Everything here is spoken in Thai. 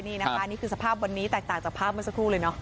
นี่นะคะนี่คือสภาพวันนี้แตกต่างจากภาพเมื่อสักครู่เลยเนาะ